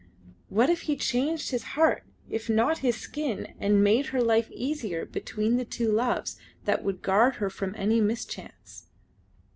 What if he changed his heart if not his skin and made her life easier between the two loves that would guard her from any mischance!